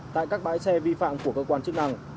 tại các bãi xe vi phạm của cơ quan chức năng